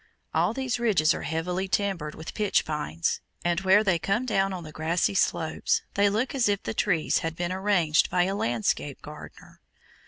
All these ridges are heavily timbered with pitch pines, and where they come down on the grassy slopes they look as if the trees had been arranged by a landscape gardener.